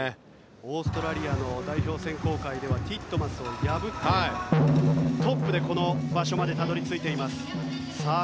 オーストラリアの代表選考会ではティットマスを破ってトップでこの場所までたどり着きました。